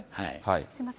すみません。